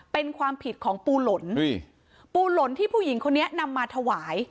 เป็นความผิดของปูหล่นปูหล่นที่ผู้หญิงคนนี้นำมาถวาย